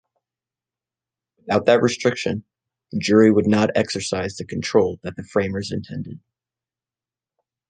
Without that restriction, the jury would not exercise the control that the Framers intended.